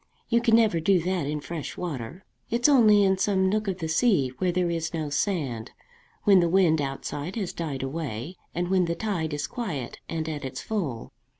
You can never do that in fresh water. It's only in some nook of the sea, where there is no sand, when the wind outside has died away, and when the tide is quiet and at its full.